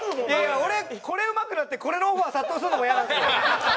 俺これうまくなってこれのオファー殺到するのも嫌なんですよ。